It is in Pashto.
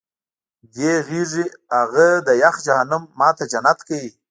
دې غېږې هغه د یخ جهنم ما ته جنت کړ